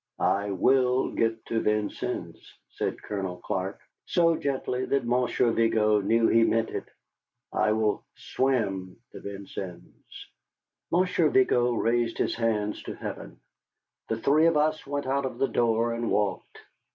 "I will get to Vincennes," said Colonel Clark, so gently that Monsieur Vigo knew he meant it. "I will swim to Vincennes." Monsieur Vigo raised his hands to heaven. The three of us went out of the door and walked.